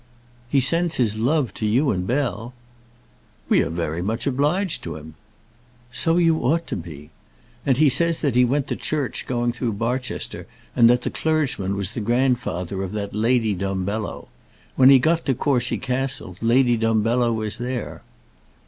"He sends his love to you and Bell." "We are very much obliged to him." "So you ought to be. And he says that he went to church going through Barchester, and that the clergyman was the grandfather of that Lady Dumbello. When he got to Courcy Castle Lady Dumbello was there."